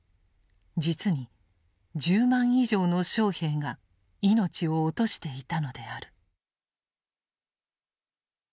実に１０万以上の将兵が命を落としていたのである。